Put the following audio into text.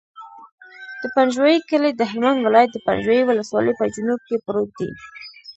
د پنجوایي کلی د هلمند ولایت، پنجوایي ولسوالي په جنوب کې پروت دی.